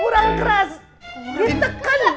kurang keras ditekan